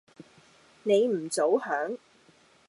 你唔早響？